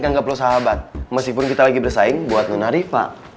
anggaplu sahabat meskipun kita lagi bersaing buat nona rifa